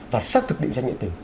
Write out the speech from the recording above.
và xác thực định ra nghệ tử